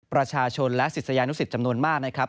ประชาชนและศิษยานุสิตจำนวนมากนะครับ